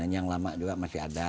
yang lama juga masih ada